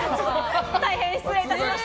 大変失礼いたしました。